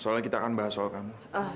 soalnya kita akan bahas soal kamu